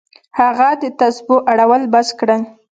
هغه د تسبو اړول بس کړل.